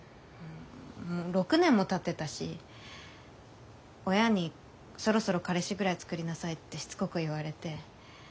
うん６年もたってたし親に「そろそろ彼氏ぐらいつくりなさい」ってしつこく言われて。